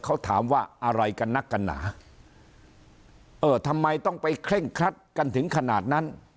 เขาถามว่าอะไรกันนักกันหนาเออทำไมต้องไปเคร่งครัดกันถึงขนาดนั้น